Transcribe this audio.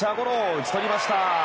打ち取りました。